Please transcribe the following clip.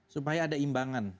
supaya ada imbangan